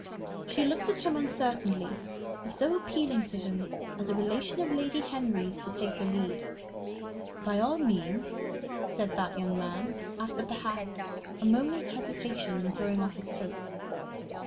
She looked at him uncertainly, as though appealing to him, as a relation of Lady Henry's, to take the lead. "By all means," said that young man, after perhaps a moment's hesitation, and throwing off his coat.